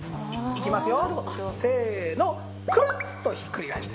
いきますよ。